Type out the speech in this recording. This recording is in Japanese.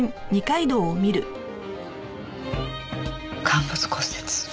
陥没骨折。